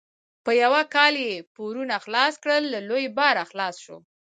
په یو کال یې پورونه خلاص کړل؛ له لوی باره خلاص شو.